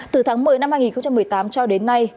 từ tháng một mươi năm hai nghìn một mươi tám cho đến nay